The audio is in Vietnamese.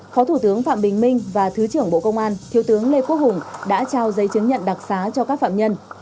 phó thủ tướng phạm bình minh và thứ trưởng bộ công an thiếu tướng lê quốc hùng đã trao giấy chứng nhận đặc xá cho các phạm nhân